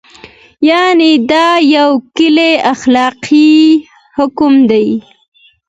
یعنې دا یو کلی اخلاقي حکم دی.